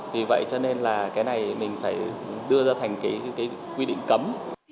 vì vậy cho nên là cái này mình phải đưa ra thành cái quy định cấm